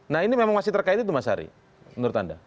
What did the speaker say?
nah ini memang masih terkait itu mas ari menurut anda